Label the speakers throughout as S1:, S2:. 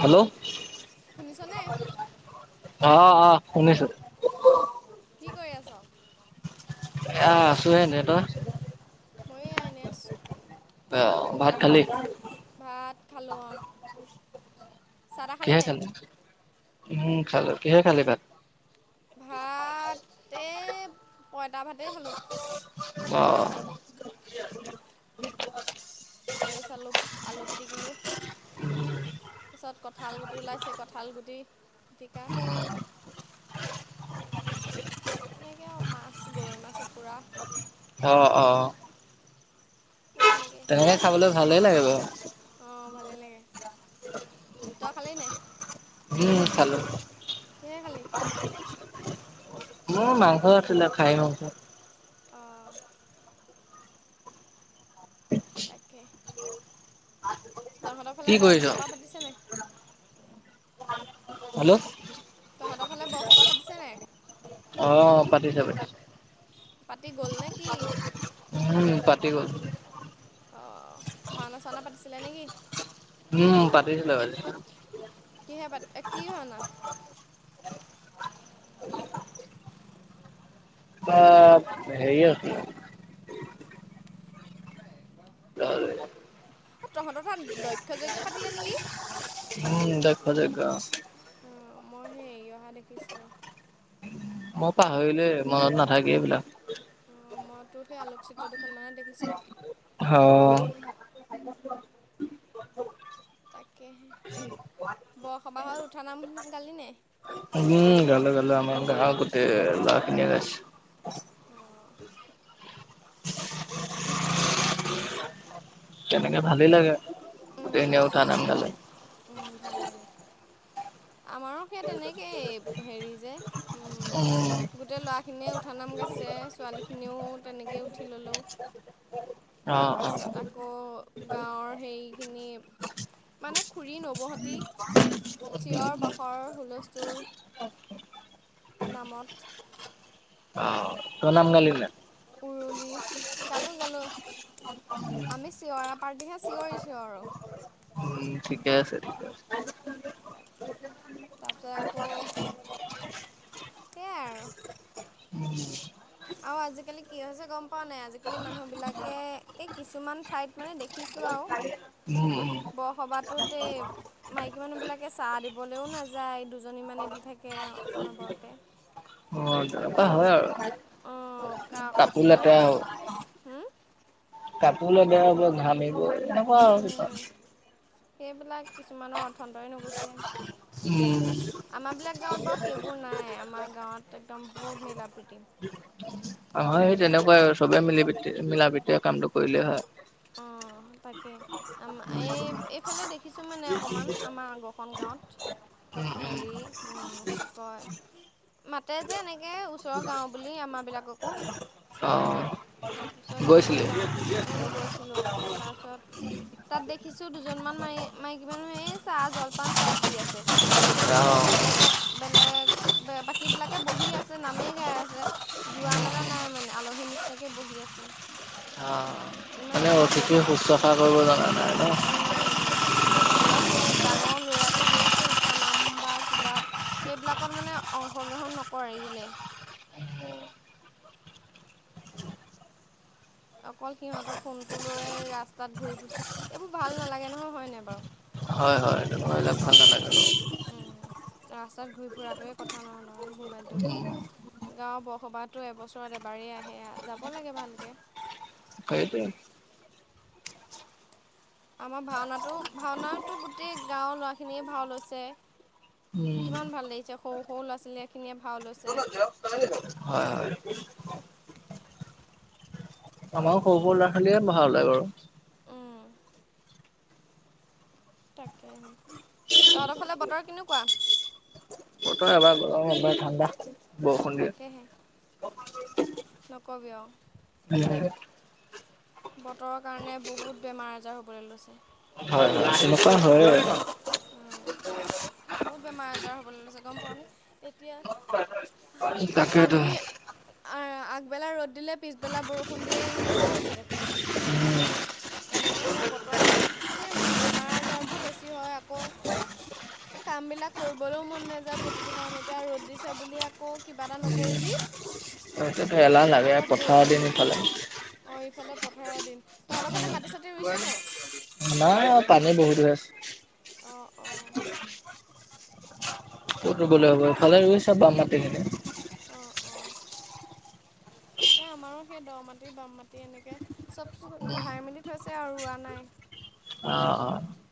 S1: Hello.
S2: শুনিছ নে?
S1: অ', অ', শুনিছো।
S2: কি কৰি আছ?
S1: এয়া আছো এনে তই?
S2: মই এয়া এনে আছো
S1: ভাত খালি?
S2: ভাত খালোঁ অঁ চাহ তাহ
S1: কিহে
S2: নাই
S1: খালি? উম, খালো, কিহে খালি ভাত?
S2: ভাত এ পঁইতা ভাতেই খালোঁ।
S1: অ'।
S2: আলু চালু, আলু পিটিকিলোঁ।
S1: [unintelligible]
S2: তাৰপিছত কঁঠাল গুটি ওলাইছে কঁঠাল গুটি পিটিকা। তাৰপিছত সেই তেনেকৈ আৰু মাছ গৰৈ মাছৰ পোৰা।
S1: অ', অ'।
S2: সেই তেনেকেই
S1: তেনেকে
S2: তই
S1: খাবলৈ
S2: খালি নাই?
S1: ভালেই লাগে বাৰু
S2: অ', ভালেই লাগে, তই খালি নাই?
S1: উম, খালোঁ।
S2: কিহে খালি
S1: মোৰ মাংস আছিলে খাই মাংস।
S2: অ'। তাকে। তহঁতৰ
S1: কি
S2: ফালে বৰ
S1: কৰিছ
S2: সবাহ পাতিছে নাই?
S1: হেল্ল'।
S2: তহঁতৰ ফালে বৰসবাহ পাতিছে নাই?
S1: অ', পাতিছে পাতিছে।
S2: পাতি গ'ল নে কি?
S1: উম পাতি গ'ল
S2: অ', ভাওনা চাওনা পাতিছিলে নে কি?
S1: উম', পাতিছিলে [unintelligible]
S2: কিহে পাট কি ভাওনা?
S1: [unintelligible] হেৰি
S2: অ', তহঁতৰ তাত দক্ষ যজ্ঞ পাতিলে নেকি?
S1: উম, দক্ষ যজ্ঞ অ'।
S2: অ', মই সেই এৰি অহা দেখিছিলোঁ।
S1: মই পাহৰিলোৱে মনত নাথাকে এইবিলাক।
S2: অ', মই তোৰ সেই আলোকচিত্ৰ দুখনমানত দেখিছিলোঁ।
S1: অ'।
S2: তাকেহে বৰসবাহ উঠা নাম গালি নাই?
S1: উম গালো, গালো আমাৰ গাঁৱৰ গোতেই ল'ৰা খিনিয়ে গাইছে।
S2: অ'। তাকেহে।
S1: তেনেকে ভালেই লাগে
S2: উম,
S1: গোটেইখিনিয়ে উঠা নাম গালে।
S2: উম, ভাল লাগে। আমাৰো সে তেনেকেই হেৰি যে উম,
S1: উম
S2: গোটেই লৰা খিনিয়ে উঠা নাম গাইছে ছোৱালীখিনিও তেনেকৈয়ে উঠি ল'লো
S1: অ অ
S2: তাৰপিছত আকৌ গাঁৱৰ সেইৰিখিনি মানে খুৰী নৱহতি চিঞৰ বাখৰ হুলস্থুল নামত।
S1: ত' নাম গালি নাই?
S2: উৰুলি, গালোঁ গালোঁ। আমি চিঞৰা পাৰ্টিহে চিঞৰিছো আৰু।
S1: উম ঠিকে আছে, ঠিকে আ [unintelligible]
S2: তাকেহে তাৰপিছত আকৌ। সেয়াই আৰু।
S1: [unintelligible]
S2: আৰু আজিকালি কি হৈছে গম পোৱা নাই আজিকালি মানুহবিলাকে এই কিছুমান ঠাইত মানে দেখিছোঁ আওঁ।
S1: [unintelligible]
S2: বৰসবাটোত এই মাইকী মানুহ বিলাকে চাহ দিবলৈও নাযায় দুজনী মানে দি থাকে অনবৰতে।
S1: অ তেনেকুৱা হয় আৰু।
S2: অ', কাক
S1: কাপোৰ
S2: উপানে
S1: লেতেৰা
S2: কি
S1: হ'ব। কাপোৰ লৈ বেয়া হব ঘামিব নহয়।
S2: সেইবিলাক কিছুমানৰ অৰ্থন্তই নুগুচছে।
S1: উম।
S2: আমাৰবিলাক গাঁৱত বাৰু সেইবোৰ নাই আমাৰ গাঁৱত একদম বহুত মিলা প্ৰীতি।
S1: হয়, সেই তেনেকুৱাই চবে মিলি মিলা প্ৰীতি কামটো কৰিলেই হয়।
S2: অ', তাকে আ এই এইফালে দেখিছোঁ মানে অকণমান আমাৰ আগৰখন গাঁৱত।
S1: উম উম
S2: হেৰি উম, কি কয়। মাতে যে এনেকৈ ওচৰৰ গাঁওঁ বুলি আমাৰবিলাককো।
S1: অ'।
S2: তাৰপিছত তেতিয়া
S1: গৈছিলি
S2: যাওঁ গৈছিলোঁ তাৰপিছত। তাত দেখিছো দুজনমান ম মাইকী মানুহ এই চাহ জলপান চব দি আছে। কিছু
S1: অ
S2: মানে বেলেগৰ বেলেগ বাকীবিলাকে বহি আছে নামেই গাই আছে। যোৱা মেলা নাই মানে আলহীৰ নিচিনাকে বহি আছে।
S1: অ
S2: ইমান
S1: মানে
S2: ডাঙৰ
S1: অতিথি
S2: বৰসবাত
S1: শুশ্ৰূষা কৰিব জনা নাই ন?
S2: অ', নাই জানা। আৰু সেই ডাঙৰ ল'ৰাখিনিও সেই উঠা নাম বা কিবা এইবিলাকত মানে অংশগ্ৰহণ নকৰিলে। অকল সিহঁতৰ ফোনটো লৈ ৰাস্তাত ঘূৰি ফুৰিছে এইবোৰ ভাল নালাগে নহয় হয়নে বাৰু।
S1: হয়, হয়। নালাগে ন।
S2: ৰাস্তাত ঘূৰি ফুৰাটোৱে কথা নহয় নহয় মোবাইলটো লৈ
S1: উম
S2: লৈ। গাঁৱৰ বৰসবাহটো এবছৰত এবাৰেই আহে যাব লাগে ভালকে।
S1: সেইটোয়েই।
S2: আমাৰ ভাওনাটো ভাওনা গোটেই গাঁৱৰ ল'ৰাখিনিয়ে ভাও লৈছে।
S1: উম
S2: কিমান ভাল লাগিছে সৰু সৰু ল'ৰা ছোৱালীয়ে খিনিয়ে ভাও লৈছে।
S1: হয়, হয়। আমাৰ সৰু সৰু ল'ৰা ছোৱালীয়েে ভাও লয় বাৰু।
S2: উম। তাকেই তহতৰ ফালে বতৰ কেনেকুৱা?
S1: এবাৰ গৰম এবাৰ ঠাণ্ডা বৰষুণ দিয়ে।
S2: তাকেহে নকবি আৰু।
S1: উম।
S2: বতৰৰ কাৰণে বহুত বেমাৰ আজাৰ হ'বলৈ লৈছে।
S1: হয়, তেনেকুৱা হয়।
S2: বহুত বেমাৰ আজাৰ হ'বলৈ লৈছে গম পাওঁনে এতিয়া
S1: তাকেইতো
S2: কালি। আগবেলা ৰ'দ দিলে পিছবেলা বৰষুণ দিয়ে এনেকুৱা হৈছে দেখোন। এনেকে হ'লে বতৰৰ মানে বেমাৰ আজাৰবোৰ বেছি হয় আকৌ। কামবিলাক কৰিবলৈও মন নাযায় প্ৰতিটো কাম এতিয়া ৰ'দ দিছে বুলি আকৌ কিবা এটা নকৰিবি। [inaudible]
S1: তাৰপিছত এলাহ লাগে পথাৰৰ দিন ইফালে
S2: অ', ইফালে পথাৰৰ দিন তহতৰ ফালে মাতি চা
S1: নাই পানী বহুত হৈ আছে।
S2: অ' অ'।
S1: ক'ত ৰোবলৈ
S2: তাকেহে
S1: হ'ব এইফালে ৰুইছে বাম মাটিখিনি।
S2: অঁ অঁ। তাকে আমাৰো সেই দ মাটি বাম মাটি এনেকৈ চব কহাই মেলি থৈছে আৰু ৰোৱা নাই।
S1: অ', অ'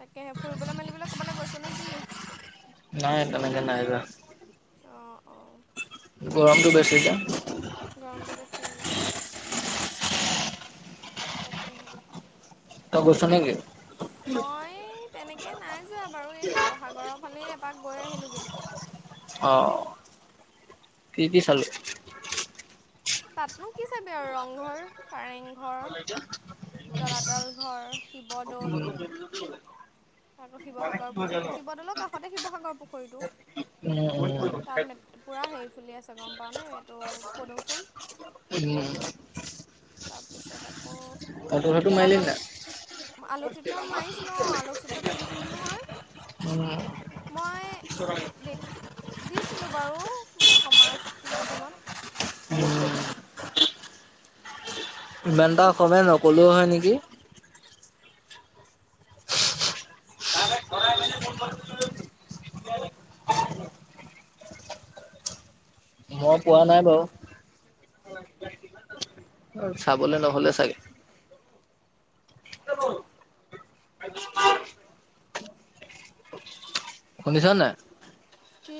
S2: তাকেহে ফুৰিবলৈ মেলিবলৈ ক'বালৈ গৈছ নে কি
S1: নাই [unintelligible]
S2: অ', অ'
S1: গৰমটো বেছি যে
S2: গৰমটো বেছি উম তাকেহে
S1: তই গৈছ নেকি
S2: মই তেনেকে নাই যোৱা বাৰু এই শিৱসাগৰৰ ফালেই এপাক গৈ আহিলোঁগে!
S1: অ', কি, কি চালি
S2: তাতনো কি চাবি আৰু ৰংঘৰ কাৰেংঘৰ তলাতল ঘৰ শিৱদৌল
S1: [inaudible]
S2: আকৌ
S1: কি
S2: শিসাগৰ
S1: হয় জান?
S2: পুখুৰী শিৱদৌলৰ কাষতে শিৱসাগৰ পুখুৰীটো তাত মেত পুৰা হেৰি ফুলি আছে গম পাৱনে এইটো পদুম ফুল
S1: [inaudible]
S2: তাৰপিছত আকৌ
S1: ফটো চটো মাৰিলি
S2: তলাতল
S1: নাই?
S2: আলোকচিত্ৰ মাৰিছিলোঁ! অ', আলোকচিত্ৰ তুলিছিলোঁ নহয়!
S1: উম
S2: মই [unintelligible] দিছিলোঁ বাৰু সমাজ মাধ্যমত
S1: উম ইমান এটা অসমীয়া নকলেও হয় নেকি মই কোৱা নাই বাৰু অ', চাবলে নহ'লে চাগে শুনিছনে নাই
S2: কি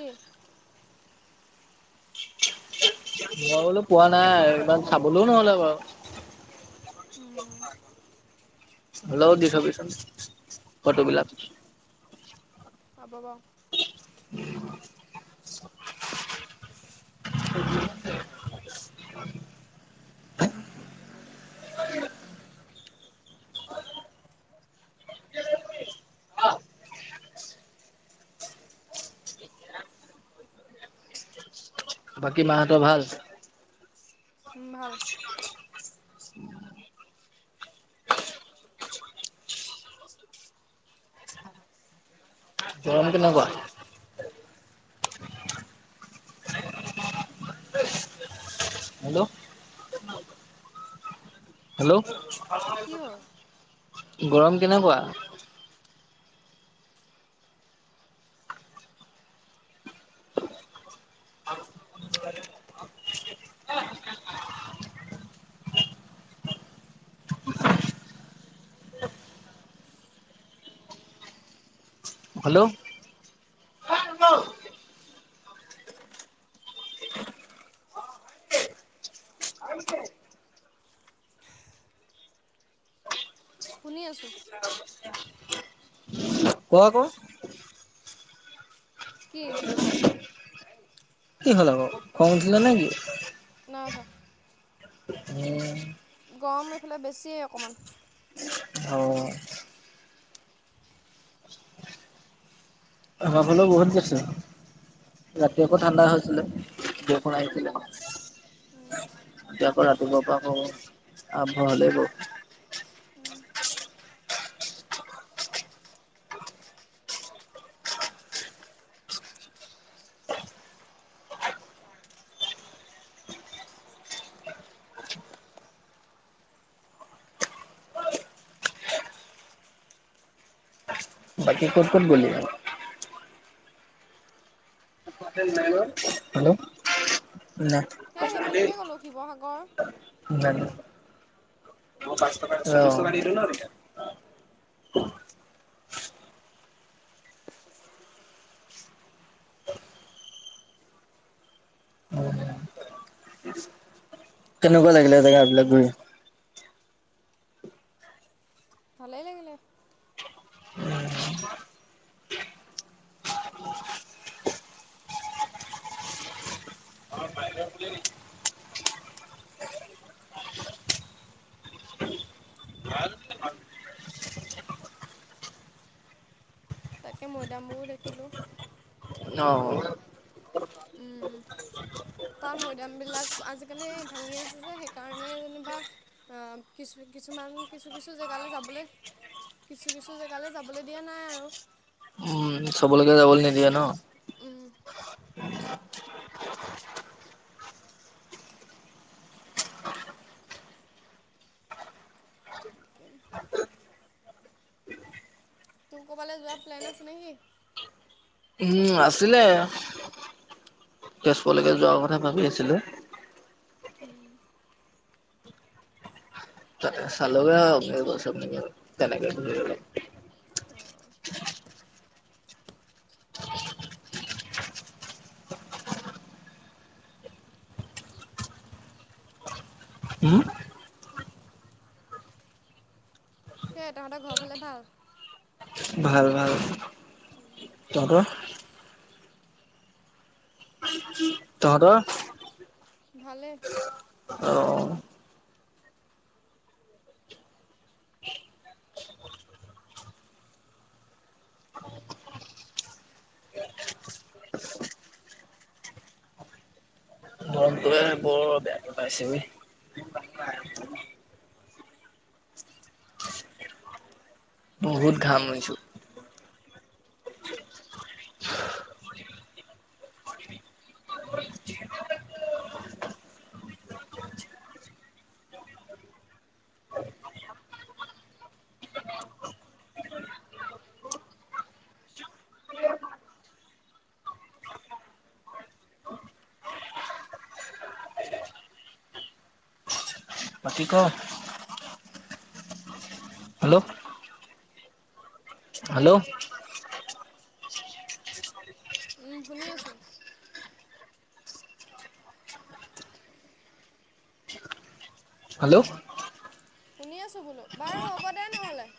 S1: নোৱাবলৈ পোৱা নাই ইমান চাবলৈও নহ'লে বাৰু
S2: উম
S1: হ'লেও দি থ'বিচোন ফটোবিলাক
S2: হ'ব বাউ
S1: বাকী মাহঁতৰ ভাল
S2: উম! ভাল
S1: গৰম কেনেকুৱা হেল্ল' হেল্ল',
S2: কি হ'ল
S1: গৰম কেনেকুৱা হেল্ল'
S2: শুনি আছোঁ!
S1: [unintelligible] ক' আক'
S2: কি
S1: কি হ'ল আক' খং উঠিলে নেকি
S2: নাই উঠা
S1: উম
S2: গৰম এইফালে বেছিয়েই অকণমান
S1: অ' আমাৰ ফালেও বহুত বেছি ৰাতি আকৌ ঠাণ্ডা হৈছিলে! বৰষুণ আহিছিলে! এতিয়া আকৌ ৰাতিপুৱা পৰা আকৌ আৰম্ভ হলেই ব বাকী ক'ত, ক'ত গ'লি হেল্ল' উ [inaudible]
S2: এই সেইফালেকে গ'লোঁ শিৱসাগৰ
S1: ন ন [inaudible] কেনেকুৱা লাগিলে জেগাবিলাক গৈ
S2: ভালেই লাগিলে তাকে মৈদামবোৰও দেখিলোঁ
S1: অ'
S2: ওম তাৰ মৈদাম বিলাক আজিকালি ভাঙি আছে যে সেইকাৰণে যেনিবা কিছু কিছুমান কিছু কিছু জেগালৈ যাবলৈ কিছু কিছু জেগালৈ যাবলৈ দিয়া নাই আৰু
S1: উম চবলৈকে যাবলৈ নিদিয়ে ন
S2: উম তাকে [inaudible] তোমাৰ কৰবালে যোৱা প্লেন আছে নে কি
S1: উম আছিলে তেজপুৰলৈকে যোৱাৰ কথা ভাবি আছিলো
S2: হম [inaudible]
S1: চলগছেনে [unintelligible] [unintelligible]
S2: অ [inaudible]
S1: উম [inaudible]
S2: সেইয়া তহঁতৰ ঘৰ ফালে ভাল
S1: ভাল ভাল
S2: উম আৰু
S1: তহঁতৰ
S2: ভাল লছ [inaudible]
S1: তহঁতৰ
S2: ভালে
S1: অ' মনটোহে বৰ বেয়া পাইছ [inaudible] বহুত ঘাম ইছোঁ পতি ক [inaudible] হেল্ল' হেল্ল'
S2: উম শুনি আছো
S1: হেল্ল'
S2: শুনি আছোঁ বোলো বাৰু হ'ব দে নহ'লে